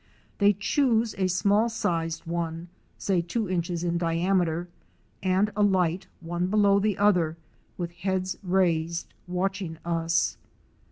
They choose a small sized one, say two inches in diameter, and alight, one below the other, with heads raised, watching us.